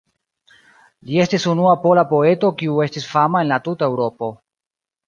Li estis unua pola poeto kiu estis fama en la tuta Eŭropo.